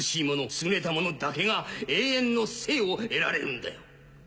優れたものだけが永遠の生を得られるんだよ。